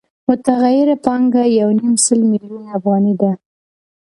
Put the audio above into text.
متغیره پانګه یو نیم سل میلیونه افغانۍ ده